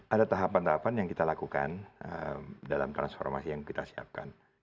ada tahapan tahapan yang kita lakukan dalam transformasi yang kita siapkan